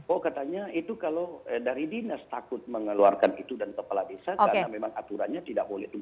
oh katanya itu kalau dari dinas takut mengeluarkan itu dan kepala desa karena memang aturannya tidak boleh